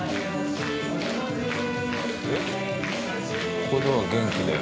ここでは元気だよ。